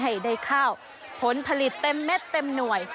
ให้ได้ข้าวผลผลิตเต็มเม็ดเต็มหน่วย